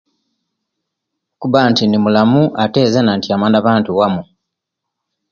Kuba nti indi mulamu ate nzena ntyama nabantu wamu